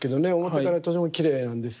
表側とてもきれいなんですが。